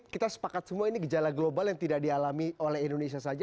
kita sepakat semua ini gejala global yang tidak dialami oleh indonesia saja